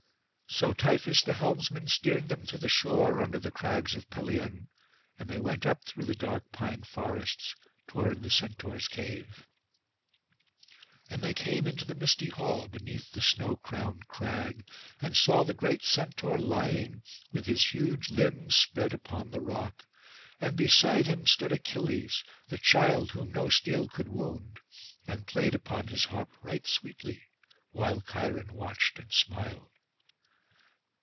So Tiphys the helmsman steered them to the shore under the crags of Pelion; and they went up through the dark pine forests towards the Centaur's cave. And they came into the misty hall, beneath the snow crowned crag; and saw the great Centaur lying, with his huge limbs spread upon the rock; and beside him stood Achilles, the child whom no steel could wound, and played upon his harp right sweetly, while Cheiron watched and smiled.